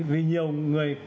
vì nhiều người